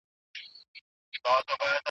پارلمان بهرنی سیاست نه بدلوي.